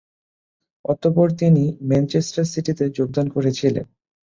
অতঃপর তিনি ম্যানচেস্টার সিটিতে যোগদান করেছিলেন।